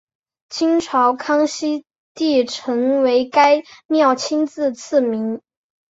清朝康熙帝曾为该庙亲自赐名。